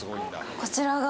こちらが。